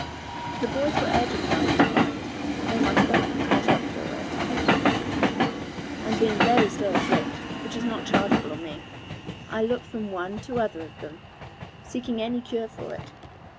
The boys were urgent round me to fight, though my stomach was not up for it; and being very slow of wit (which is not chargeable on me), I looked from one to other of them, seeking any cure for it.